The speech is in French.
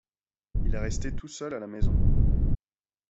Il est resté tout seul à la maison.